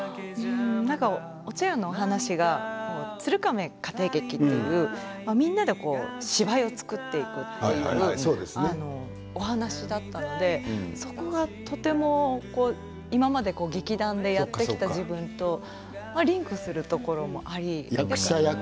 「おちょやん」は鶴亀家庭劇というみんなで芝居を作っていくというお話だったので、そこがとても今まで劇団でやってきた自分とリンクするところもあり